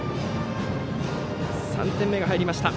３点目が入りました。